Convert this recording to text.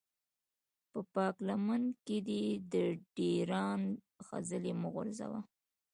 په پاکه لمن کې دې د ډېران خځلې مه غورځوه.